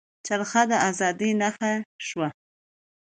چرخه د ازادۍ نښه شوه.